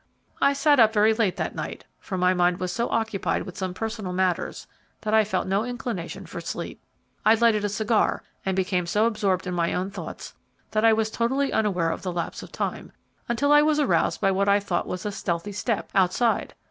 "I sat up very late that night, for my mind was so occupied with some personal matters that I felt no inclination for sleep. I lighted a cigar and became so absorbed in my own thoughts that I was totally unaware of the lapse of time, until I was aroused by what I thought was a stealthy step outside.